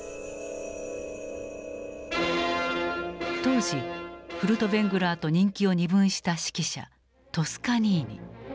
当時フルトヴェングラーと人気を二分した指揮者トスカニーニ。